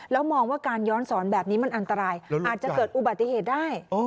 แล้วมองว่าการย้อนสอนแบบนี้มันอันตรายอาจจะเกิดอุบัติเหตุได้